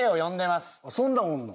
そんなんおるの？